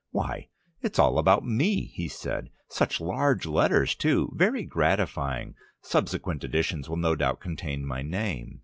"Why, it's all about me!" he said. "Such large letters, too. Very gratifying. Subsequent editions will no doubt contain my name."